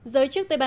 giới chức tây ban